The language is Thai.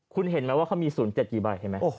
คุณเห็นไหมว่าเขามี๐๗กี่ใบเห็นไหม